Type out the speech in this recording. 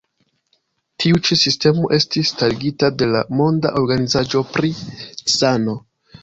Tiu ĉi sistemo estis starigita de la Monda Organizaĵo pri Sano.